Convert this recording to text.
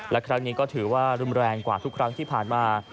และครั้งนี้ก็ถือว่ารุนแรงกว่าทุกครั้งที่ผ่านมา